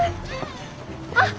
あっ！